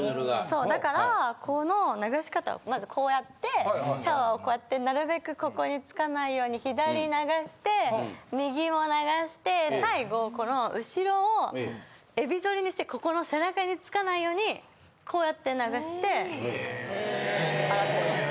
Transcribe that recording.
そうだからこの流し方はまずこうやってシャワーをこうやってなるべくここにつかないように左流して右も流して最後この後ろを海老反りにしてここの背中につかないようにこうやって流して洗ってます。